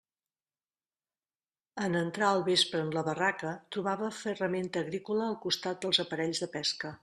En entrar al vespre en la barraca, trobava ferramenta agrícola al costat dels aparells de pesca.